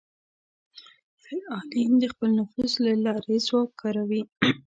فعالین د خپل نفوذ له لارې ځواک کاروي